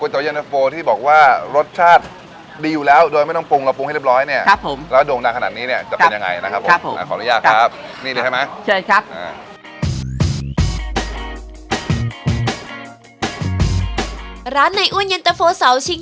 กล้วยเต๋วยันตราโฟที่บอกว่ารสชาติดีอยู่แล้วโดยไม่ต้องปรุงเราปรุงให้เรียบร้อยเนี่ย